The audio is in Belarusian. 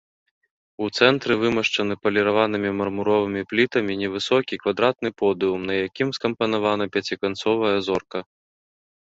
У цэнтры вымашчаны паліраванымі мармуровымі плітамі невысокі квадратны подыум, на якім скампанавана пяціканцовая зорка.